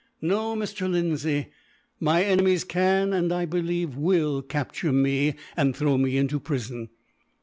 "No, Mr. Lindsay; my enemies can, and I believe will, capture me and throw me into prison.